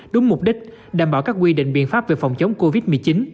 đúng mục đích đảm bảo các quy định biện pháp về phòng chống covid một mươi chín